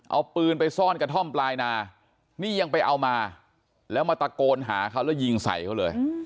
เอาปืนไปซ่อนกระท่อมปลายนานี่ยังไปเอามาแล้วมาตะโกนหาเขาแล้วยิงใส่เขาเลย